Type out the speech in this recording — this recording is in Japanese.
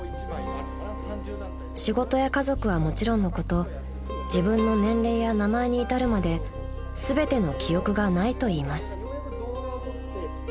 ［仕事や家族はもちろんのこと自分の年齢や名前に至るまで全ての記憶がないといいます］